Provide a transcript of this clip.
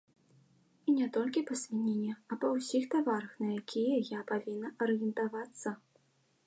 І не толькі па свініне, а па ўсіх таварах, на якія я павінна арыентавацца.